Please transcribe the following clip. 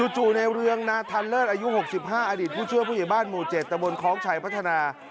จู่ในเรืองนาทันเลิศอายุ๖๕อดีตผู้ช่วยผู้ใหญ่บ้านหมู่๗ตะบนคล้องชัยพัฒนา